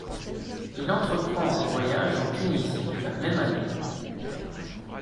Il entreprend un voyage en Tunisie la même année.